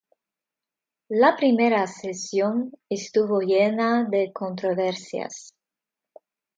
La primera sesión estuvo llena de controversias.